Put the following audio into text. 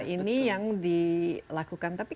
ini yang dilakukan tapi